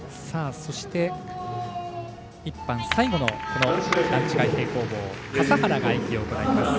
そして、１班最後の段違い平行棒笠原が演技を行います。